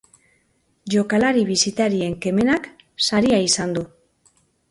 Jokalari bisitarien kemenak saria izan du.